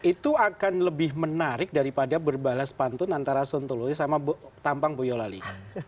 itu akan lebih menarik daripada berbalas pantun antara suntului sama tampang bu yolali